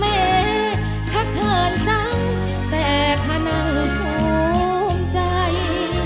เมร์ข้าเคินจังแต่ข้านังศุมย์ใจ